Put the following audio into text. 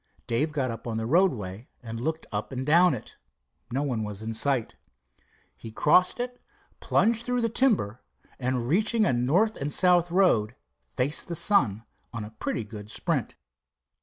Dave got up on the roadway and looked up and down it. No one was in sight. He crossed it, plunged through the timber, and reaching a north and south road faced the sun on a pretty good sprint.